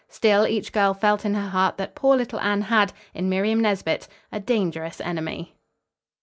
Still, each girl felt in her heart that poor little Anne had, in Miriam Nesbit, a dangerous enemy.